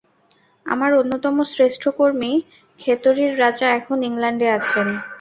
আমার অন্যতম শ্রেষ্ঠ কর্মী খেতড়ির রাজা এখন ইংলণ্ডে আছেন।